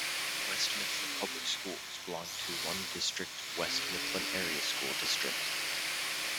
West Mifflin public schools belong to one district-West Mifflin Area School District.